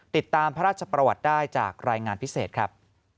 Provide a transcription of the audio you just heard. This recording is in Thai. ติดตามพระราชประวัติได้จากรายงานพิเศษครับ